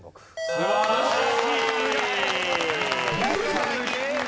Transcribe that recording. すげえな！